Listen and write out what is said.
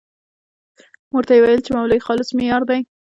موږ ته یې ويل چې مولوي خالص مې يار دی.